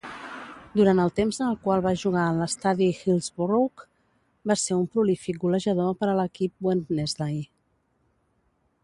Durant el temps en el qual va jugar en l'estadi Hillsborough va ser un prolífic golejador per a l'equip Wednesday.